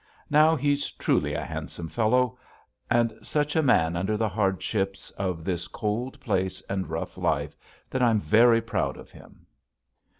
Now he's truly a handsome fellow and such a man under the hardships of this cold place and rough life that I'm very proud of him.